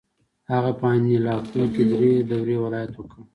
هغه په انیلاکو کې درې دورې ولایت وکړ.